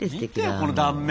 この断面。